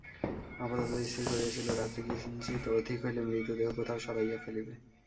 আপাতত স্থির করিয়াছিল, রাত্রি কিঞ্চিৎ অধিক হইলে মৃতদেহ কোথাও সরাইয়া ফেলিবে।